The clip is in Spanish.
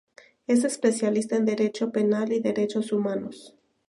Es especialista en Derecho Penal y Derechos Humanos.